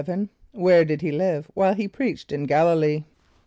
= Where did he live while he preached in G[)a]l´[)i] lee?